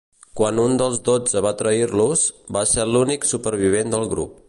Quan un dels dotze va trair-los, va ser l'únic supervivent del grup.